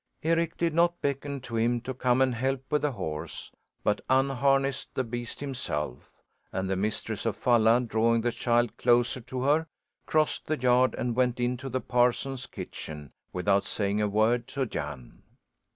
Eric did not beckon to him to come and help with the horse, but unharnessed the beast himself, and the mistress of Falla, drawing the child closer to her, crossed the yard and went into the parson's kitchen, without saying a word to Jan.